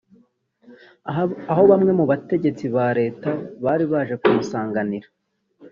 aho bamwe mu bategetsi ba leta bari baje kumusanganira